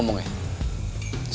satu lawan satu ya